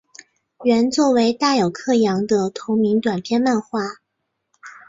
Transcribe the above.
原作为大友克洋的同名短篇漫画。